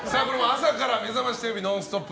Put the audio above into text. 朝から「めざましテレビ」「ノンストップ！」